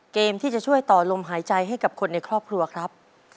เกมที่จะช่วยต่อลมหายใจให้กับคนในครอบครัวครับ